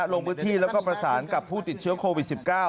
ลงพื้นที่แล้วก็ประสานกับผู้ติดเชื้อโควิด๑๙